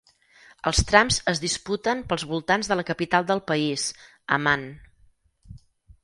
Els trams es disputen pels voltants de la capital del país, Amman.